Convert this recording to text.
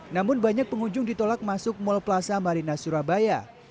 namun banyak pengunjung ditolak masuk mall plaza marina surabaya